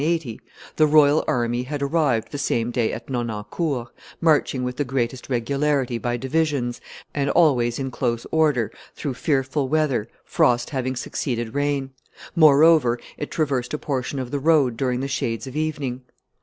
p. 180], "the royal army had arrived the same day at Nonancourt, marching with the greatest regularity by divisions and always in close order, through fearful weather, frost having succeeding rain; moreover, it traversed a portion of the road during the shades of evening.